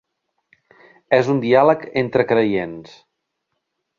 És un diàleg entre creients.